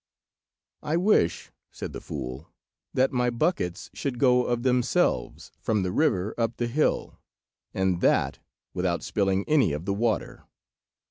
"I wish," said the fool, "that my buckets should go of themselves from the river up the hill, and that without spilling any of the water."